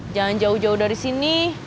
jangan jauh jauh dari sini